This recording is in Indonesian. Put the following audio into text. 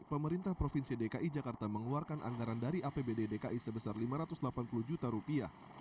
pemerintah provinsi dki jakarta mengeluarkan anggaran dari apbd dki sebesar lima ratus delapan puluh juta rupiah